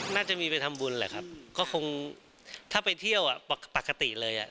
น่าจะมีไปทำบุญแหละครับก็คงถ้าไปเที่ยวอ่ะปกติเลยอ่ะ